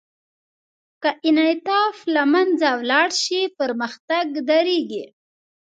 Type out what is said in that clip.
که انعطاف له منځه ولاړ شي، پرمختګ درېږي.